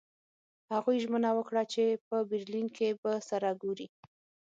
هغوی ژمنه وکړه چې په برلین کې به سره ګوري